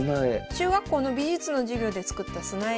中学校の美術の授業で作った砂絵です。